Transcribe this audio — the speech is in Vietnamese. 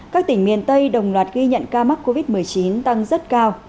các tỉnh miền tây đồng loạt ghi nhận ca mắc covid một mươi chín tăng rất cao